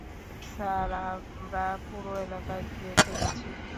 Sir, আমরা পুরো এলাকা ঘিরে ফেলেছি।